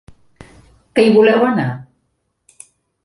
Que hi voleu anar?